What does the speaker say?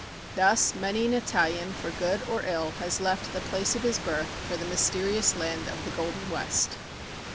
Thus many an Italian, for good or ill, has left the place of his birth for the mysterious land of the Golden West.